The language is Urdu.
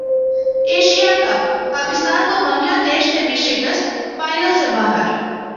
ایشیا کپ پاکستان کو بنگلہ دیش سے بھی شکست فائنل سے باہر